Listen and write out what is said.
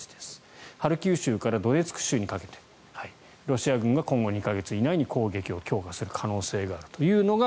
ハルキウ州からドネツク州にかけてロシア軍が今後２か月以内に攻撃を強化する可能性があるというのが